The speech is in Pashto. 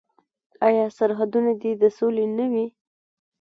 آیا سرحدونه دې د سولې نه وي؟